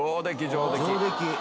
上出来。